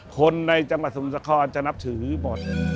คนในจังหวัดสมุทรสครจะนับถือหมด